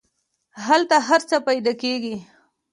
هلته هر څه پیدا کیږي.